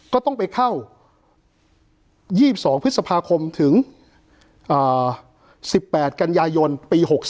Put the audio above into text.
ก็ต้องไปเข้า๒๒พฤษภาคมถึง๑๘กันยายนปี๖๔